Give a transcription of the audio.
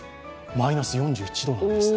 マイナス４１度なんですって。